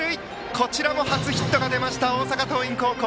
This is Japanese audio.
こちらも初ヒットが出ました大阪桐蔭高校。